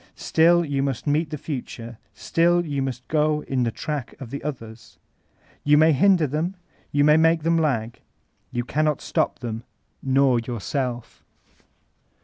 Still you must meet the future; still yoa must go in the track of the others. You may hinder tiiem, you may make them lag; you cannot stop them, nor yourself.